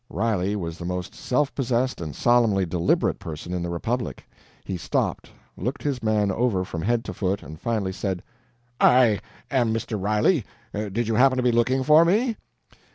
Riley was the most self possessed and solemnly deliberate person in the republic. He stopped, looked his man over from head to foot, and finally said: "I am Mr. Riley. Did you happen to be looking for me?"